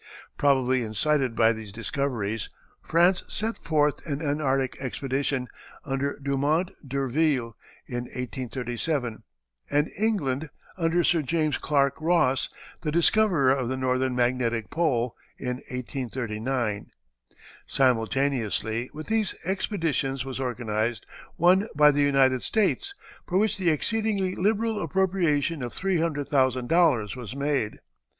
Probably incited by these discoveries, France sent forth an Antarctic expedition, under Dumont d'Irville, in 1837, and England, under Sir James Clark Ross, the discoverer of the northern magnetic pole, in 1839. Simultaneously with these expeditions was organized one by the United States, for which the exceedingly liberal appropriation of $300,000 was made.